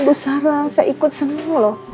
bu sarah saya ikut semua loh